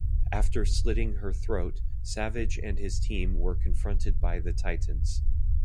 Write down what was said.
After slitting her throat, Savage and his team were confronted by the Titans.